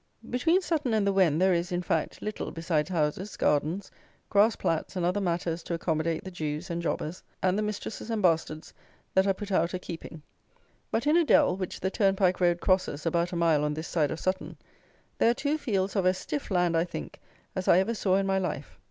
Between Sutton and the Wen there is, in fact, little besides houses, gardens, grass plats and other matters to accommodate the Jews and jobbers, and the mistresses and bastards that are put out a keeping. But, in a dell, which the turnpike road crosses about a mile on this side of Sutton, there are two fields of as stiff land, I think, as I ever saw in my life.